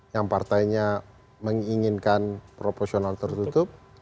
yang partainya menginginkan proporsional tertutup